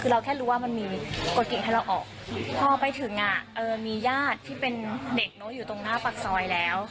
คือเราแค่รู้ว่ามันมีกฎกิ่งให้เราออกพอไปถึงอ่ะเออมีญาติที่เป็นเด็กเนอะอยู่ตรงหน้าปากซอยแล้ว